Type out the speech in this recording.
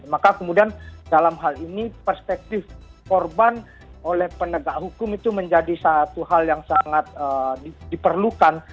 maka kemudian dalam hal ini perspektif korban oleh penegak hukum itu menjadi satu hal yang sangat diperlukan